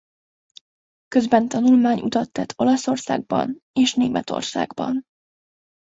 Közben tanulmányutat tett Olaszországban és Németországban.